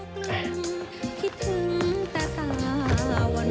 น้ำพึงที่ถึงแต่สาวนา